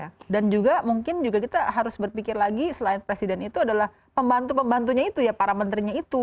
nah dan juga mungkin juga kita harus berpikir lagi selain presiden itu adalah pembantu pembantunya itu ya para menterinya itu